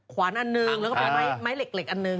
ขวานอันหนึ่งแล้วก็เป็นไม้เหล็กอันหนึ่ง